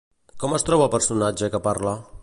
Com es troba el personatge que parla?